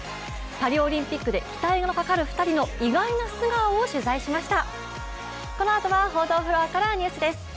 パリオリンピックに期待がかかる２人の意外な素顔を取材しました。